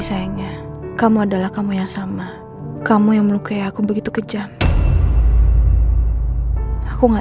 sayangnya kamu adalah kamu yang sama kamu yang melukai aku begitu kejam aku gak